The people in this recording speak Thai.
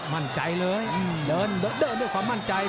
มั่นใจเลยเดินด้วยความมั่นใจ